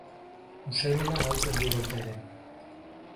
Usaimena galtzen du baita ere.